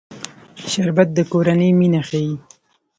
شربت د کورنۍ مینه ښيي